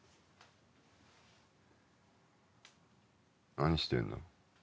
何してんの？